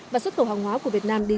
và xuất khẩu hàng hóa